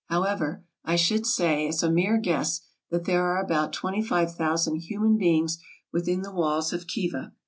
However, I should say, as a mere guess, that there are about 25,000 human beings within the walls of Khiva.